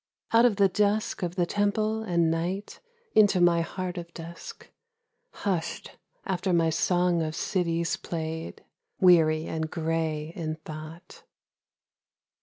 Out of the dusk of the temple and night Into my heart of dusk, Hushed after my song of cities played, Weary and grey in thought.